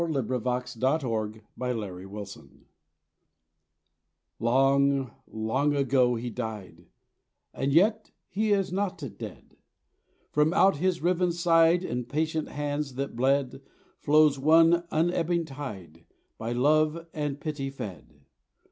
XLIV "THE DESERT SHALL BLOSSOM" LONG, long ago He died, and yet He is not dead; From out His riven side and patient hands that bled Flows one unebbing tide, by love and pity fed.